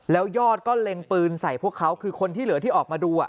แล้วยอดก็เล็งปืนใส่พวกเขาคือคนที่เหลือที่ออกมาดู